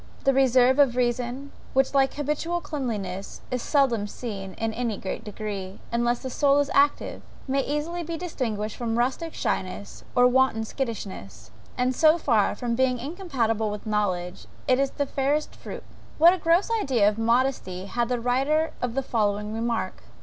The reserve of reason, which like habitual cleanliness, is seldom seen in any great degree, unless the soul is active, may easily be distinguished from rustic shyness or wanton skittishness; and so far from being incompatible with knowledge, it is its fairest fruit. What a gross idea of modesty had the writer of the following remark!